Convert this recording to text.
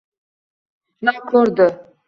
Na ko’rdi